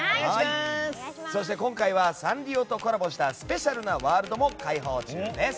そして今回はサンリオとコラボしたスペシャルなワールドも開放中です。